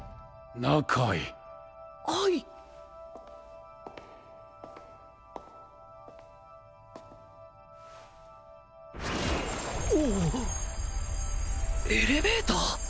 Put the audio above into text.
中へはいおおっエレベーター！？